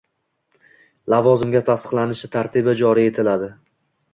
lavozimga tasdiqlanishi tartibi joriy etiladi.